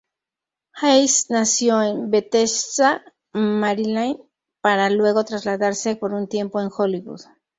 Hays nació en Bethesda, Maryland, para luego trasladarse por un tiempo en Hollywood.